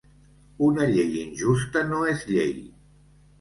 Una llei injusta no és llei.